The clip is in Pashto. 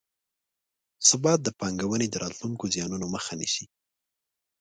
ثبات د پانګونې د راتلونکو زیانونو مخه نیسي.